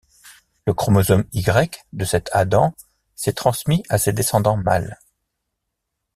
Le chromosome Y de cet Adam s'est transmis à ses descendants mâles.